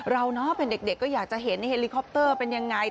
เป็นเด็กก็อยากจะเห็นเฮลิคอปเตอร์เป็นยังไง